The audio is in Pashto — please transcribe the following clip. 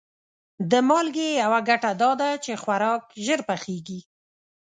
د مالګې یوه ګټه دا ده چې خوراک ژر پخیږي.